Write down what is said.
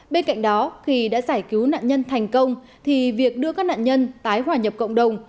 bên cạnh đó khi đã giải cứu nạn nhân thành công thì việc đưa các nạn nhân tái hòa nhập cộng đồng